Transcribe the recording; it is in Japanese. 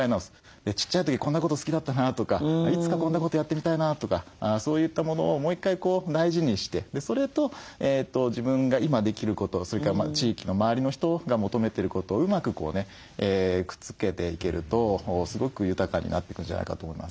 ちっちゃい時こんなこと好きだったなとかいつかこんなことやってみたいなとかそういったものをもう１回大事にしてそれと自分が今できることをそれから地域の周りの人が求めてることをうまくくっつけていけるとすごく豊かになってくんじゃないかと思います。